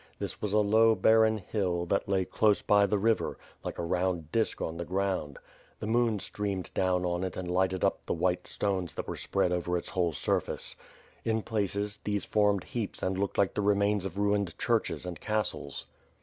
This was a low, barren hill, that lay close by the river; like a round disk on the ground. The moon streamed down on it and lighted up the white stones that were spread over its whole surface. In places, these formed heaps and looked like the remains of ruined churches and castles.